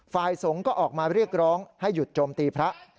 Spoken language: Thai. ฝ่ายสงฆ์ก็ออกมาเรียกร้องให้หยุดโจมตีพระ